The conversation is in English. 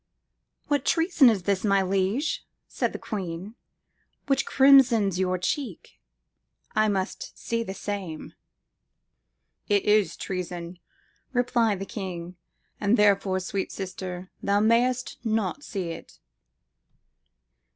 "What treason is this, my liege," said the queen, "which crimsons your cheek? I must see the same.""It is treason," replied the king, "and therefore, sweet sister, thou mayest not see it."